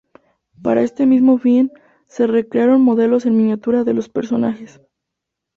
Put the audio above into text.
Para este mismo fin, se recrearon modelos en miniatura de los personajes.